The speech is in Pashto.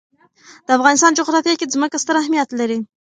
د افغانستان جغرافیه کې ځمکه ستر اهمیت لري.